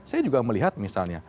saya juga melihat misalnya